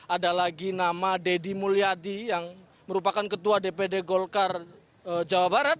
ada lagi nama deddy mulyadi yang merupakan ketua dpd golkar jawa barat